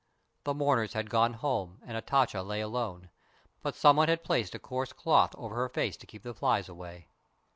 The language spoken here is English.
The mourners had gone home and Hatatcha lay alone; but someone had placed a coarse cloth over her face to keep the flies away.